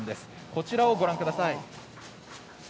こちらをご覧ください。